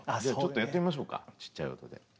じゃあちょっとやってみましょうかちっちゃい音で。